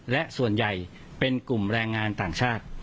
และส่วนใหญ่เป็นกลุ่มแรงงานต่างชาติ